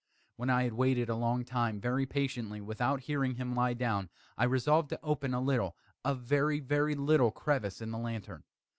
When I had waited a long time, very patiently, without hearing him lie down, I resolved to open a little a very, very little crevice in the lantern.